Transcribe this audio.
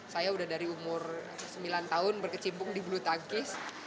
saya udah dari umur sembilan tahun berkecimpung di bulu tangkis